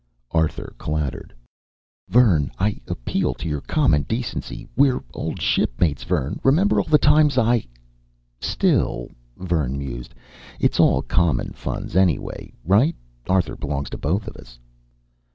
Arthur clattered: VERN I APPEAL TO YOUR COMMON DECENCY WERE OLD SHIPMATES VERN REMEMBER ALL THE TIMES I "Still," Vern mused, "it's all common funds anyway, right? Arthur belongs to both of us."